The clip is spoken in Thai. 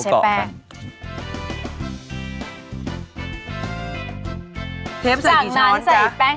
เชฟใส่๒ช้อนก่อนครับ